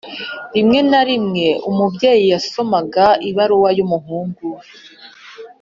rimwe na rimwe umubyeyi yasomaga ibaruwa y'umuhungu we.